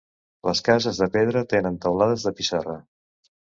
Les cases, de pedra, tenen teulades de pissarra.